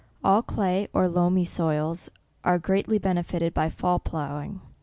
All clay or loamy soils are greatly benefited by fall ploughing.